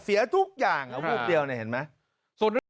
เสียทุกอย่างเอาวูบเดียวนะเห็นไหม